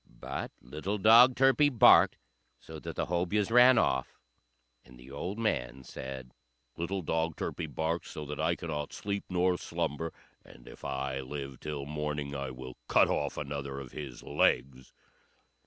But little dog Turpie barked so that the Hobyahs ran off; and the old man said, "Little dog Turpie barks so that I cannot sleep nor slumber, and if I live till morning I will cut off another of his legs."